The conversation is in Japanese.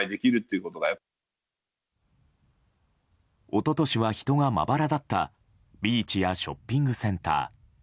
一昨年は人がまばらだったビーチやショッピングセンター。